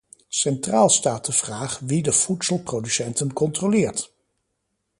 Centraal staat de vraag wie de voedselproducenten controleert.